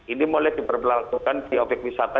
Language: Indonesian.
ini mulai diperlakukan di obyek wisata